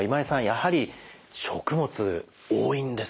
やはり食物多いんですね。